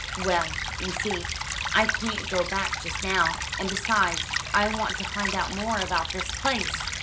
"Well, you see, I can't go back just now; and besides, I want to find out more about this place.